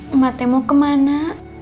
emak temu kemana